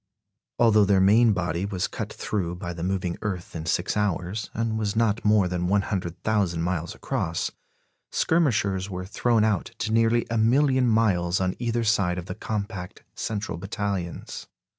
Although their main body was cut through by the moving earth in six hours, and was not more than 100,000 miles across, skirmishers were thrown out to nearly a million miles on either side of the compact central battalions.